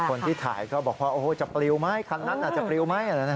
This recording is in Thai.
คนที่ถ่ายก็บอกว่าจะปลิวไหมคันนั้นอาจจะปลิวไหม